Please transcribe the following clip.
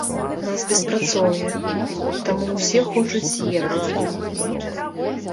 У нас беспрацоўе, таму ўсе хочуць з'ехаць.